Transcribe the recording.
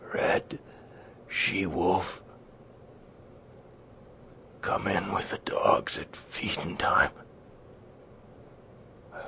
"Red she wolf. ... Come in with the dogs at feedin' time.